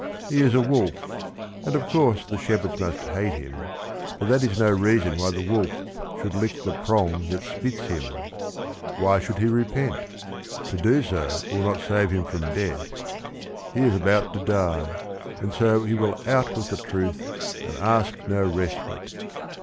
He is a wolf, and of course the shepherds must hate him, but that is no reason why the wolf should " lick the prong that spits him." Why should he repent ? To do so will not save him from death. He is about to die, and so he will out with the truth and ask no respite.